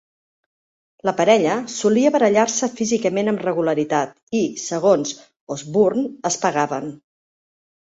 La parella solia barallar-se físicament amb regularitat i, segons Osbourne, es pegaven.